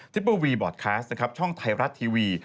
ทริปเบอร์วีบอร์ดแคสต์ช่องไทยรัฐทีวี